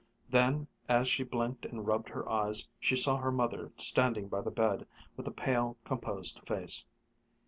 Then as she blinked and rubbed her eyes she saw her mother standing by the bed, with a pale, composed face.